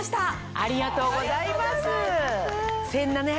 ありがとうございます。